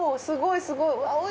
すごいすごい！